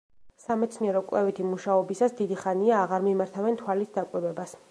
სამეცნიერო-კვლევითი მუშაობისას დიდი ხანია აღარ მიმართავენ თვალით დაკვირვებას.